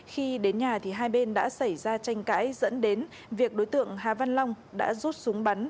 khi đến nhà thì hai bên đã xảy ra tranh cãi dẫn đến việc đối tượng hà văn long đã rút súng bắn